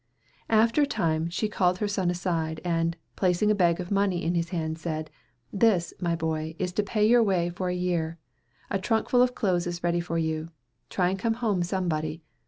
After a time, she called her son aside and, placing a bag of money in his hand, said, "This, my boy, is to pay your way for a year. A trunk full of clothes is ready for you. Try and come home somebody.